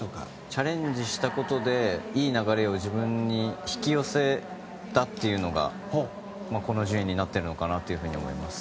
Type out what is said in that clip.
チャレンジしたことでいい流れを自分に引き寄せたというのがこの順位になっているのかなと思います。